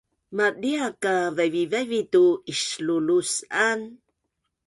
madia ka vaivivavi tu islulus’an